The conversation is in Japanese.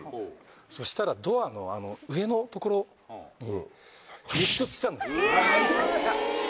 そしたらドアの上の所に激突したんです。